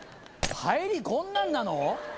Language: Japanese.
入りこんなんなの？